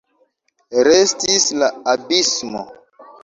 Restis la abismo.